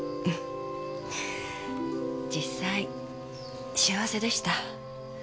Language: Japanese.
実際幸せでした。